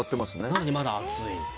なのに、まだ暑い。